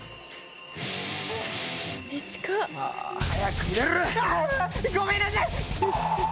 早く入れろ！ごめんなさい！